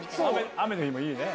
雨の日もいいね。